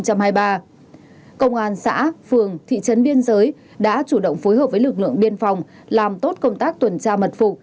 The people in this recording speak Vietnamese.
công an xã phường thị trấn biên giới đã chủ động phối hợp với lực lượng biên phòng làm tốt công tác tuần tra mật phục